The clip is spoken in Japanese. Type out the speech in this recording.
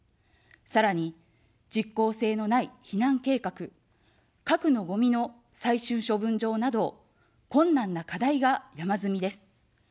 さらに、実効性のない避難計画、核のごみの最終処分場など、困難な課題が山積みです。